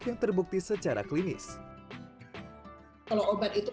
namun tetap lebih dianjurkan mengonsumsi obat batuk